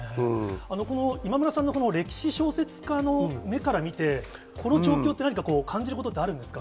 今村さんの歴史小説家の目から見て、この状況って、何か感じることってあるんですか？